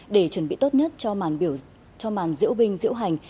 để chuẩn bị tốt nhất cho màn diễu binh diễu hành